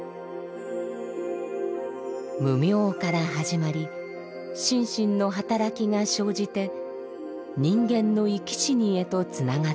「無明」から始まり心身の働きが生じて人間の生き死にへとつながってゆく。